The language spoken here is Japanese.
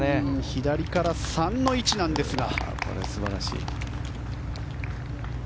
左から３の位置なんですが。